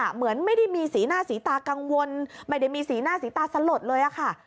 เหมือนไม่ได้มีสีหน้าสีตากังวลไม่ได้มีสีหน้าสีตาสลดเลยค่ะ